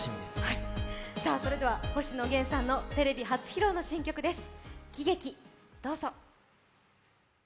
それでは星野源さんのテレビ初披露の新曲です。